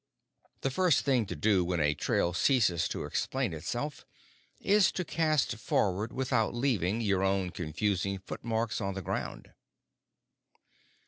The first thing to do when a trail ceases to explain itself is to cast forward without leaving your own confusing foot marks on the ground.